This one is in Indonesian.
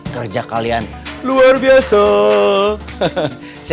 terima kasih para hansip andalan saya